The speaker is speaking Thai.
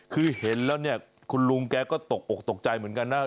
คือเห็นแล้วเนี่ยคุณลุงแกก็ตกอกตกใจเหมือนกันนะ